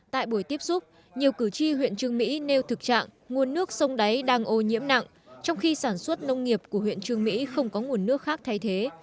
tại buổi tiếp xúc nhiều cử tri huyện trương mỹ nêu thực trạng nguồn nước sông đáy đang ô nhiễm nặng trong khi sản xuất nông nghiệp của huyện trương mỹ không có nguồn nước khác thay thế